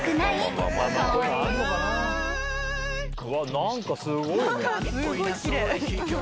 何かすごいね。